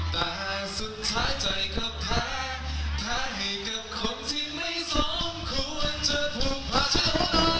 แต่สุดท้ายใจก็แท้ท้าให้กับคนที่ไม่สมควรจะผูกพาเธอ